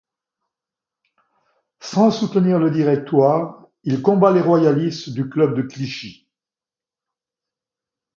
Sans soutenir le Directoire, il combat les royalistes du club de Clichy.